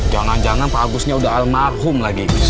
jangan jangan pak agusnya udah almarhum lagi